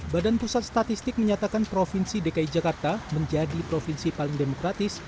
badan pusat statistik menyatakan provinsi dki jakarta menjadi provinsi paling demokratis